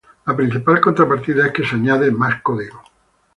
La principal contrapartida es que se añade más código.